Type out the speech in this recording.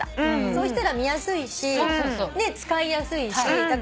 そうしたら見やすいし使いやすいし。